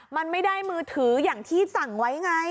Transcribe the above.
มันไม่ได้มือถืออย่างที่สั่งไว้ไง